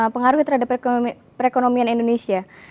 pengaruhnya terhadap perekonomian indonesia